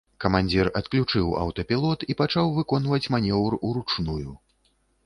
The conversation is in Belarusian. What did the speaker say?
Камандзір адключыў аўтапілот і пачаў выконваць манеўр уручную.